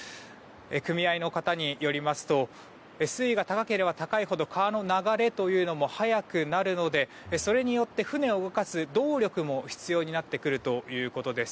組合の方によりますと水位が高ければ高いほど川の流れというのも速くなるのでそれによって船を動かす動力も必要になってくるということです。